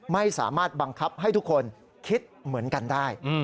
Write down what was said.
ไม่สามารถบังคับให้ทุกคนคิดเหมือนกันได้